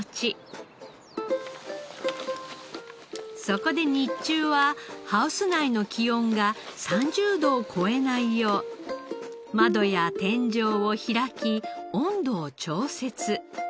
そこで日中はハウス内の気温が３０度を超えないよう窓や天井を開き温度を調節。